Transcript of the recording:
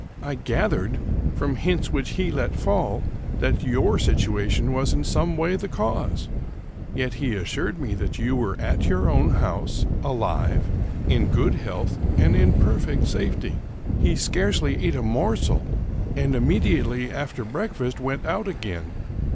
I gathered, 275 American Mystery Stories from hints which he let fall, that your situation was in some way the cause; yet he assured me that you were at your own house, alive, in good health, and in perfect safety. He scarcely ate a morsel, and immediately after breakfast went out again.